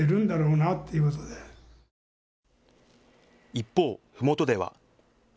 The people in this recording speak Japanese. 一方、ふもとでは。